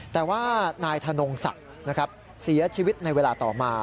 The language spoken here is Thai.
แต่ว่านายธนงศักดิ์เสียชีวิตในเวลาต่อมา